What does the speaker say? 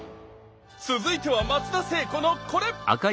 続いては松田聖子のこれ！